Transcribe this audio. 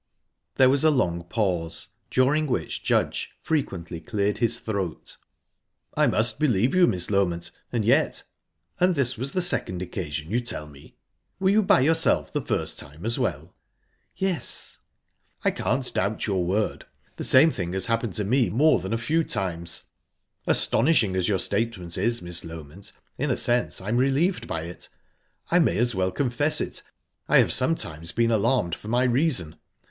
There was a long pause, during which Judge frequently cleared his throat. "I must believe you, Miss Loment, and yet...And this was the second occasion, you tell me? Were you by yourself the first time as well?" "Yes." "I can't doubt your word; the same thing has happened to me more than a few times. Astonishing as your statement is, Miss Loment, in a sense I'm relieved by it. I may as well confess it I have sometimes been alarmed for my reason.